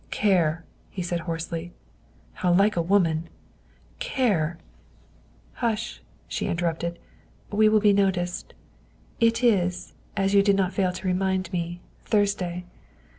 " Care!" he said hoarsely. " How like a woman! Care " 223 " Hush," she interrupted, " we will be noticed. It is, as you did not fail to remind me, Thursday.